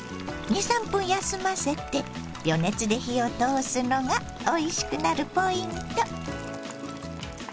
２３分間休ませて余熱で火を通すのがおいしくなるポイント。